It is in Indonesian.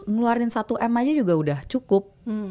ngeluarin satu m aja juga udah cukup